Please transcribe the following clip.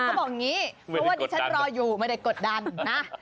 เขาบอกอย่างนี้เพราะว่าดิฉันรออยู่ไม่ได้กดดันนะ